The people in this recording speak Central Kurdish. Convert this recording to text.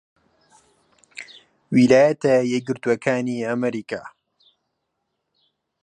ویلایەتە یەکگرتووەکانی ئەمریکا